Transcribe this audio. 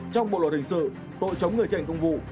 trong bộ luật hình sự tội chống người thi hành công vụ